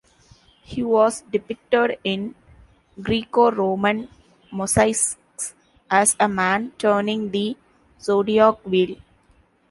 He was depicted in Greco-Roman mosaics as a man turning the Zodiac Wheel.